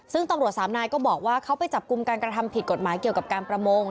ซึ่งตำรวจสามนายก็บอกว่าเขาไปจับกลุ่มการกระทำผิดกฎหมายเกี่ยวกับการประมง